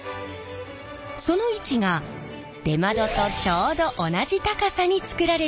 その位置が出窓とちょうど同じ高さに作られているので。